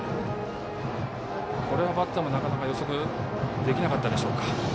これはバッターも、なかなか予測できなかったでしょうか。